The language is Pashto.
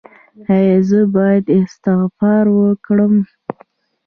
ایا زه باید استعفا ورکړم؟